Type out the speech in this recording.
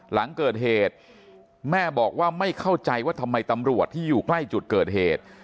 หลังเกิดเหตุแม่บอกว่าไม่เข้าใจว่าทำไมตำรวจที่อยู่ใกล้จุดเกิดเหตุ